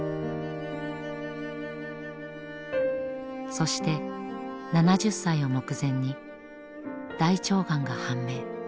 そして７０歳を目前に大腸がんが判明。